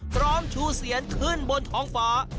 พร้อมชูเซียนขึ้นบนท้องฝา